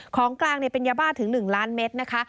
ของกลางเป็นยาบ้าถึง๑ล้านเมตรนะคะ